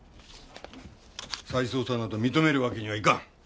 再捜査など認めるわけにはいかん。